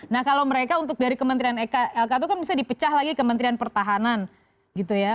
nah kalau mereka untuk dari kementerian lk itu kan bisa dipecah lagi kementerian pertahanan gitu ya